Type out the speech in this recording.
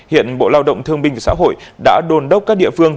hiện bộ lao động thương binh và xã hội đã đồn đốc các địa phương